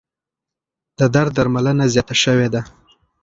د درد درملنه زیاته شوې ده.